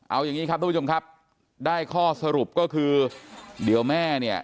เอาอย่างนี้ครับทุกผู้ชมครับได้ข้อสรุปก็คือเดี๋ยวแม่เนี่ย